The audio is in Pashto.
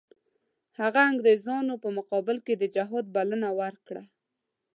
هغه انګریزانو په مقابل کې د جهاد بلنه ورکړه.